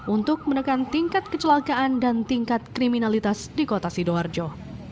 untuk menekan tingkat kecelakaan dan tingkat kriminalitas di kota sidoarjo